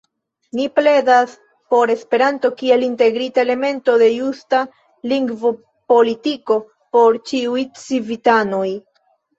Ni pledas por Esperanto kiel integrita elemento de justa lingvopolitiko por ĉiuj civitanoj.